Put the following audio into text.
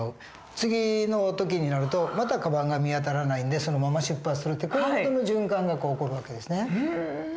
次の時になるとまたカバンが見当たらないんでそのまま出発するってこういう循環が起こる訳ですね。